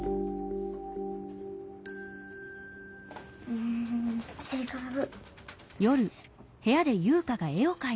うんちがう。